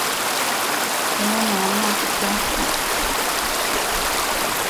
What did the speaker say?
河南戊子乡试。